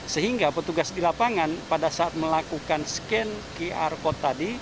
sehingga petugas di lapangan pada saat melakukan scan qr code tadi